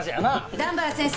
段原先生！